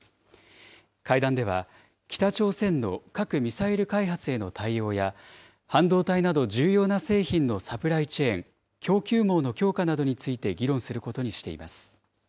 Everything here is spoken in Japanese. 会談では、北朝鮮の核・ミサイル開発への対応や、半導体など重要な製品のサプライチェーン・供給網の強化などについて議論することにしています。